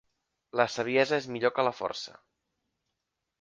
La saviesa és millor que la força.